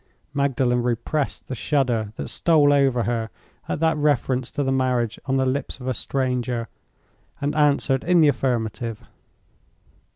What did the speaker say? Magdalen repressed the shudder that stole over her at that reference to the marriage on the lips of a stranger, and answered in the affirmative.